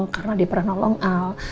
karena dia pernah nolong al